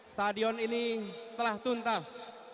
stadion ini telah tuntas